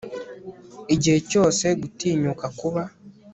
igihe cyose, gutinyuka kuba